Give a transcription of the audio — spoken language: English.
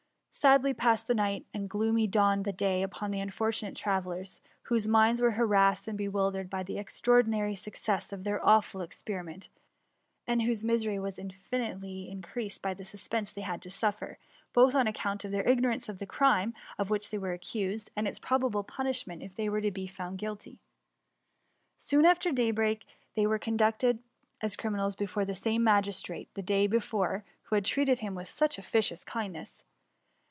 Sadly passed the night, and gloomy dawned the day upon the unfortunate travellers, whose minds were harassed and bewildered by the extraordinary success of their awful experi ment, and whose misery was infinitely in* creased by the suspense they had to suffer, both on account of their ignorance of the crime of which they were accused, and its probable punishment if they should be found guilty^ Soon after daybreak, a summons arrived for them to appear, and they were conducted as cri minals before the same magistrate who, the day before, had treated them with such officious kindness.